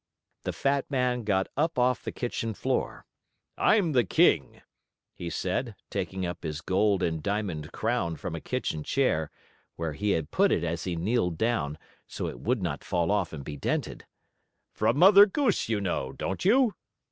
The fat man got up off the kitchen floor. "I'm the king," he said, taking up his gold and diamond crown from a kitchen chair, where he had put it as he kneeled down, so it would not fall off and be dented. "From Mother Goose, you know; don't you?"